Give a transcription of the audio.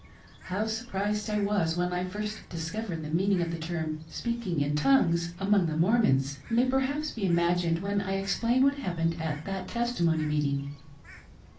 How surprised I was when I first discovered the meaning of the term " speaking in tongues," among the Mormons, may perhaps be imagined when I ex plain what happened at that testimony meeting.